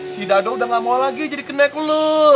si dado udah gak mau lagi jadi kenek lo